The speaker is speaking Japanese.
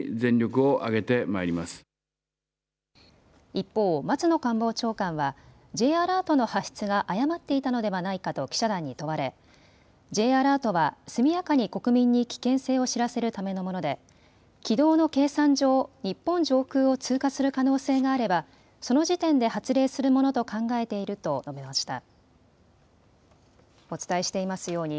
一方、松野官房長官はＪアラートの発出が誤っていたのではないかと記者団に問われＪアラートは速やかに国民に危険性を知らせるためのもので軌道の計算上、日本上空を通過する可能性があればその時点で発令するものと考えていると述べました。